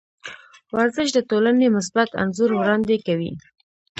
ورزش د ټولنې مثبت انځور وړاندې کوي.